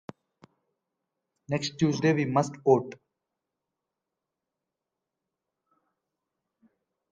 Next Tuesday we must vote.